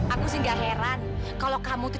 aku sehingga heran kalau kamu tuh